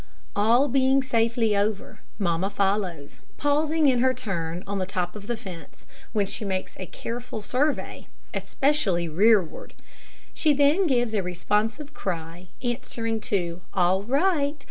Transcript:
All being safely over, mamma follows, pausing in her turn on the top of the fence, when she makes a careful survey, especially rearward. She then gives a responsive cry, answering to "All right!"